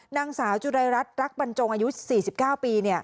นางสาวจุรายรัฐรักบรรจงอายุ๔๙ปี